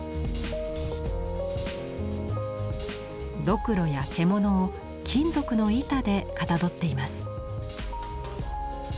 どくろや獣を金属の板でかたどっています。